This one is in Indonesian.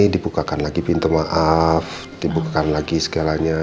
dibukakan lagi pintu maaf dibukakan lagi segalanya